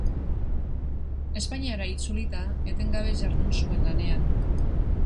Espainiara itzulita, etengabe jardun zuen lanean.